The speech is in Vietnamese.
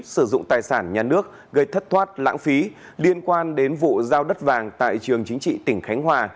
sử dụng tài sản nhà nước gây thất thoát lãng phí liên quan đến vụ giao đất vàng tại trường chính trị tỉnh khánh hòa